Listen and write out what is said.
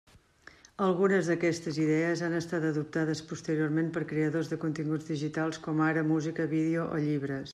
Algunes d'aquestes idees han estat adoptades posteriorment per creadors de continguts digitals com ara música, vídeo o llibres.